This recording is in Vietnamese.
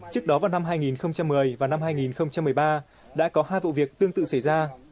trước đó vào năm hai nghìn một mươi và năm hai nghìn một mươi ba đã có hai vụ việc tương tự xảy ra